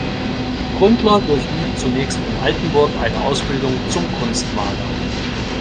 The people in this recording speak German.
Gründler durchlief zunächst in Altenburg eine Ausbildung zum Kunstmaler.